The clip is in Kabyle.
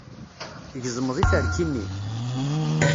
Tgezmeḍ iferki-nni?